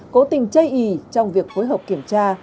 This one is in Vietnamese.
cố tình chây ý trong việc phối hợp kiểm tra